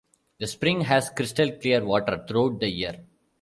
The spring has crystal clear water throughout the year.